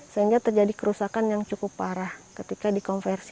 sehingga terjadi kerusakan yang cukup parah ketika dikonversi